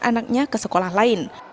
anaknya ke sekolah lain